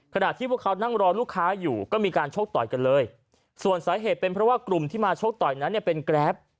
ขณะที่พวกเขานั่งรอลูกค้าอยู่ก็มีการโชคต่อยกันเลยส่วนสาเหตุเป็นเพราะว่ากลุ่มที่มาชกต่อยนั้นเนี่ยเป็นแกรป